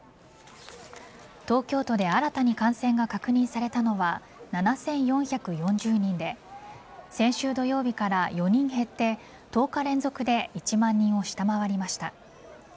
東京都で新たに感染が確認されたのは７４４０人で先週土曜日から４人減って１０日連続で１万人を下回りました。